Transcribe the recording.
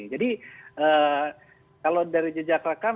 jadi kalau dari jejak rekam